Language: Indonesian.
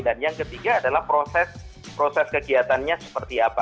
dan yang ketiga adalah proses kegiatannya seperti apa